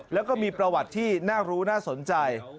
แล้วก็มีประวัติที่น่ารู้น่าสนใจ